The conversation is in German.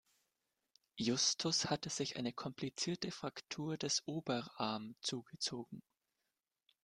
Justus hatte sich eine komplizierte Fraktur des Oberarm zugezogen.